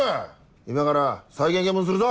今から再現見分するぞ！